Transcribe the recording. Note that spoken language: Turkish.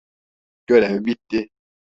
Görev bitti.